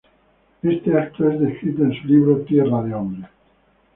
Este evento es descrito en su libro "Tierra de hombres".